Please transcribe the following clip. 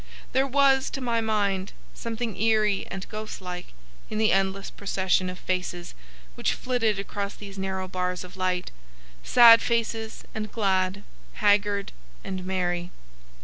There was, to my mind, something eerie and ghost like in the endless procession of faces which flitted across these narrow bars of light,—sad faces and glad, haggard and merry.